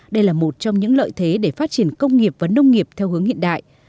đây là một trong những lợi thế để phát triển công nghiệp và nông nghiệp theo hướng hiện đại